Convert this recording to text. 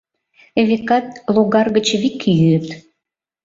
Векат, логар гыч вик йӱыт.